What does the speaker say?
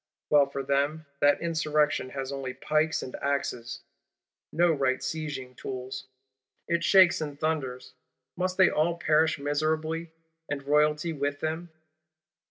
Well for them, that Insurrection has only pikes and axes; no right sieging tools! It shakes and thunders. Must they all perish miserably, and Royalty with them?